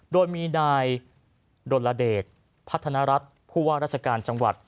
โดยมีนายดลเดชพัฒนรัฐผู้ว่าราชการจังหวัด